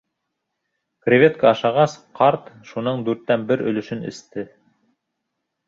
Креветка ашағас, ҡарт шуның дүрттән бер өлөшөн эсте.